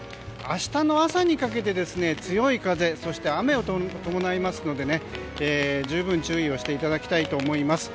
明日の朝にかけて、強い風そして雨を伴いますので十分注意していただきたいと思います。